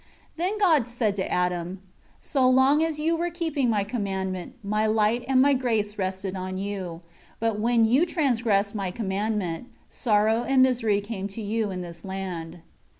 4 Then God said to Adam, "So long as you were keeping My commandment, My light and My grace rested on you. But when you transgressed My commandment, sorrow and misery came to you in this land."